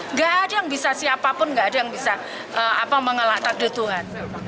nggak ada yang bisa siapapun nggak ada yang bisa mengelak takdir tuhan